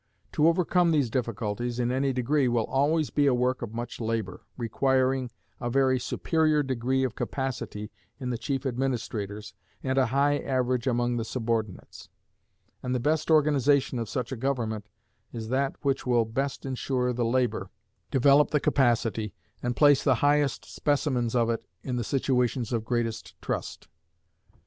To overcome these difficulties in any degree will always be a work of much labor, requiring a very superior degree of capacity in the chief administrators, and a high average among the subordinates; and the best organization of such a government is that which will best insure the labor, develop the capacity, and place the highest specimens of it in the situations of greatest trust.